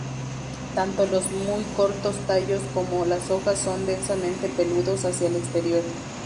Tanto los muy cortos tallos como las hojas son densamente peludos hacia el exterior.